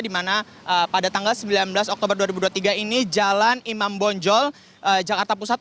di mana pada tanggal sembilan belas oktober dua ribu dua puluh tiga ini jalan imam bonjol jakarta pusat